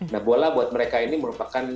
nah bola buat mereka ini merupakan